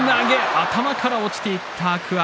頭から落ちていった天空海。